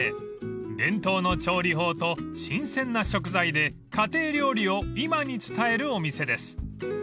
［伝統の調理法と新鮮な食材で家庭料理を今に伝えるお店です］